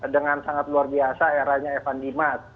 dengan sangat luar biasa eranya evan dimas